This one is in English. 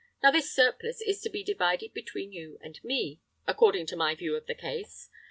Now this surplus is to be divided between you and me, according to my view of the case.